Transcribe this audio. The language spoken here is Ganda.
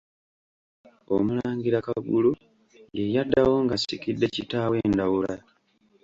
OMULANGIRA Kagulu ye yaddawo ng'asikidde kitaawe Ndawula.